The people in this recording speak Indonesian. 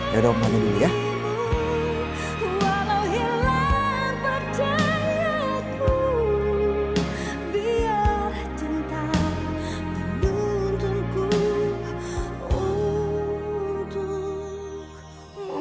ya udah om nangis dulu ya